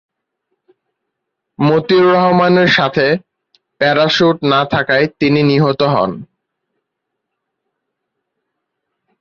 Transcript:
মতিউর রহমানের সাথে প্যারাসুট না থাকায় তিনি নিহত হন।